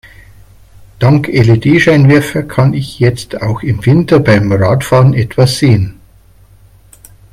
Dank LED-Scheinwerfer kann ich jetzt auch im Winter beim Radfahren etwas sehen.